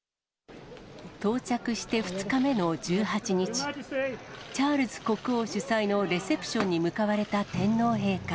到着して２日目の１８日、チャールズ国王主催のレセプションに向かわれた天皇陛下。